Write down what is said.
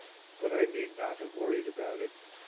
But I need not have worried about it.